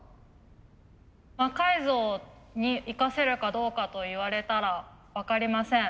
魔改造に生かせるかどうかと言われたら分かりません。